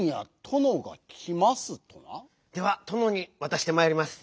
ではとのにわたしてまいります。